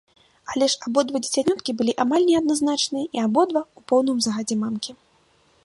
Але ж абодва дзіцянёткі былі амаль неадзначныя і абодва — у поўным загадзе мамкі.